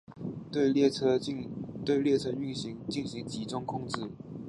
对列车运行进行集中控制。